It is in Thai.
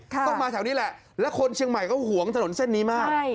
ต้องมาแถวนี้แหละแล้วคนเชียงใหม่ก็ห่วงถนนเส้นนี้มาก